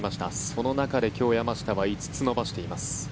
その中で今日、山下は５つ伸ばしています。